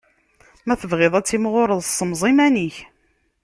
Ma tebɣiḍ ad timɣuṛeḍ, ssemẓi iman-ik!